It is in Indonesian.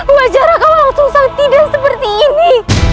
wajah raka walang sungsang tidak seperti ini